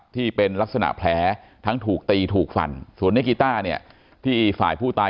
ที่เป็นลักษณะแผลทั้งถูกตีถูกฟันส่วนนักกีต้าเนี่ยที่ฝ่ายผู้ตาย